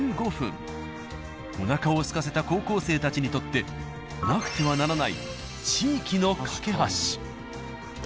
おなかをすかせた高校生たちにとってなくてはならない。